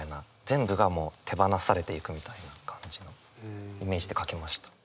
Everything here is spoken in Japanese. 全部が手放されていくみたいな感じのイメージで書きました。